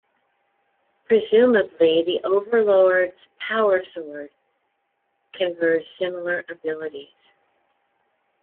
Presumably the Overlord's Power Sword confers similar abilities.